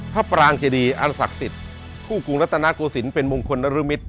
ปรางเจดีอันศักดิ์สิทธิ์คู่กรุงรัฐนาโกศิลป์เป็นมงคลนรมิตร